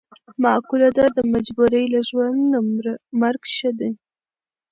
معقوله ده: د مجبورۍ له ژوند نه مرګ ښه دی.